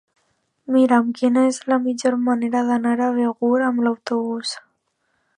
Mira'm quina és la millor manera d'anar a Begur amb autobús.